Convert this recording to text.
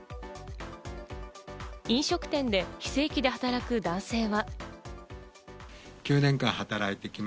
飲食店で非正規で働く男性は。